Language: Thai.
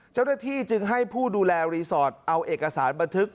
เจ้าหน้าที่จึงให้ผู้ดูแลรีสอร์ทเอาเอกสารบันทึก